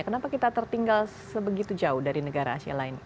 kenapa kita tertinggal sebegitu jauh dari negara asia lain